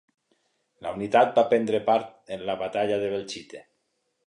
La unitat va prendre part en la batalla de Belchite.